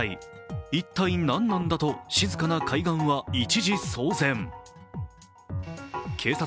一体何なんだと静かな海岸は一時、騒然。